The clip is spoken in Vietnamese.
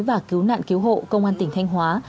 và cứu nạn cứu hộ công an tỉnh thanh hóa